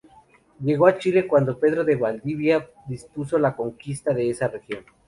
Llegó a Chile cuando Pedro de Valdivia dispuso la conquista de esa región.